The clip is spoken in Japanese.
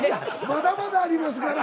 まだまだありますから。